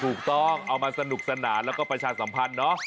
ถูกต้องเอามาสนุกสนานแล้วก็ประชาสัมพันธ์เนาะ